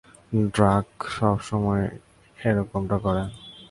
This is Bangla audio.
ড্রাক সবসময় এরকমটা করে।